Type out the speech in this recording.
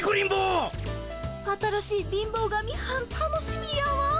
新しい貧乏神はん楽しみやわ。